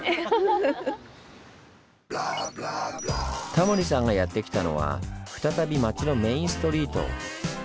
タモリさんがやって来たのは再び町のメインストリート。